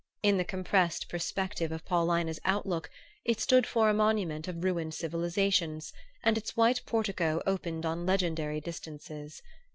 In the compressed perspective of Paulina's outlook it stood for a monument of ruined civilizations, and its white portico opened on legendary distances.